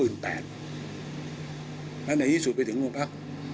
แล้วในอีกสุดไปถึงรุปภักร์